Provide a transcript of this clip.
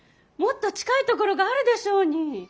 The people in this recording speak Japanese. もっと近い所があるでしょうに。